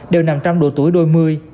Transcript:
đều nằm trong độ tuổi đôi mươi